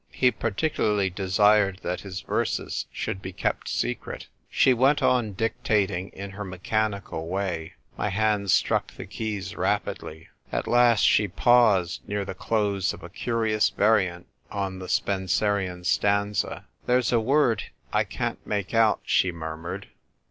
He particularly desired that his verses should be kept secret." She went on dictating in her mechanical 1 64 THE TYPE WRITER GIRL. way. My hand struck the keys rapidly. At last she paused, near the close of a curious variant on the Spenserian stanza. " There's a word I can't make out," she murmured.